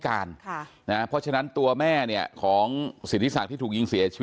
อายุ๑๐ปีนะฮะเขาบอกว่าเขาก็เห็นถูกยิงนะครับ